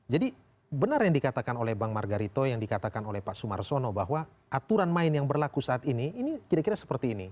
jadi benar yang dikatakan oleh bang margarito yang dikatakan oleh pak sumarsono bahwa aturan main yang berlaku saat ini ini kira kira seperti ini